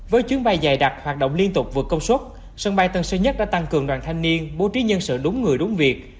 với chuyến bay dài đặc hoạt động liên tục vượt công suất sân bay tân sơn nhất đã tăng cường đoàn thanh niên bố trí nhân sự đúng người đúng việc